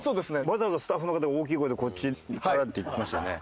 わざわざスタッフの方が大きい声で「こっちから」って言ってましたよね。